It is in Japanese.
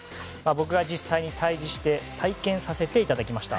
僕が実際に対峙して体験させていただきました。